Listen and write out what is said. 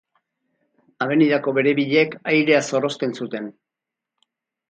Abenidako beribilek airea zorrozten zuten.